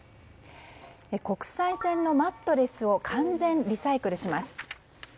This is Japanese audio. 国際線のマットレスを完全リサイクルします。